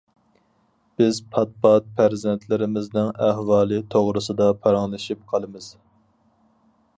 بىز پات- پات پەرزەنتلىرىمىزنىڭ ئەھۋالى توغرىسىدا پاراڭلىشىپ قالىمىز.